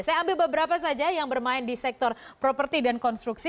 saya ambil beberapa saja yang bermain di sektor properti dan konstruksi